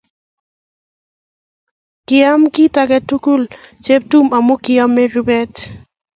Koam kit age tugul Cheptum amun koamw rupet.